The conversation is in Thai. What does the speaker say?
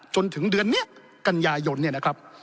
จนถึงเดือนนี้กันยายนเนี่ยนะครับ